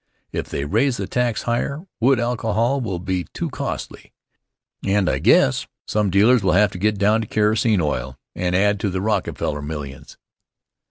If they raise the tax higher, wood alcohol will be too costly, and I guess some dealers will have to get down to kerosene oil and add to the Rockefeller millions.